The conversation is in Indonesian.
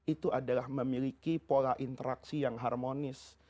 itu adalah memiliki pola interaksi yang harmonis